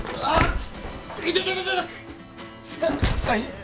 はい！